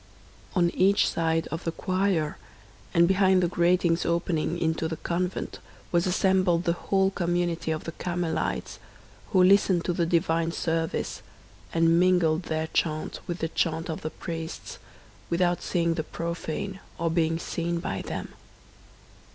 On each side of the choir and behind the gratings opening into the convent was assembled the whole community of the Carmelites, who listened to the divine service, and mingled their chant with the chant of the priests, without seeing the profane, or being seen by them.